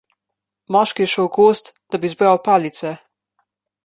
Moški je šel v gozd, da bi zbral palice.